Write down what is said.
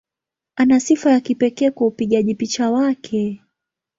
Ana sifa ya kipekee kwa upigaji picha wake.